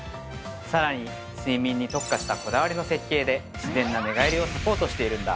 さらに睡眠に特化したこだわりの設計で自然な寝返りをサポートしているんだ